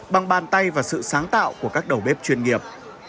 bằng bàn tay và sự sáng tạo của các đầu bếp chuyên nghiệp